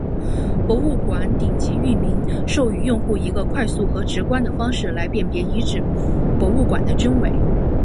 博物馆顶级域名授予用户一个快速和直观的方式来辨别遗址博物馆的真伪。